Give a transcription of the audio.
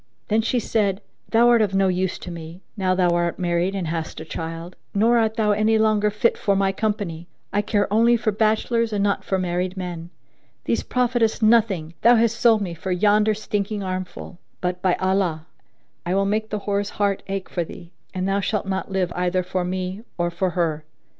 Then said she, "Thou art of no use to me, now thou art married and hast a child; nor art thou any longer fit for my company; I care only for bachelors and not for married men:[FN#2] these profit us nothing Thou hast sold me for yonder stinking armful; but, by Allah, I will make the whore's heart ache for thee, and thou shalt not live either for me or for her!"